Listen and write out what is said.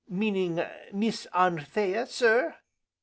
"Meaning Miss Anthea, sir?"